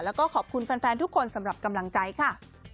แล้วก็ขอบคุณแฟนทุกคนสำหรับกำลังใจค่ะ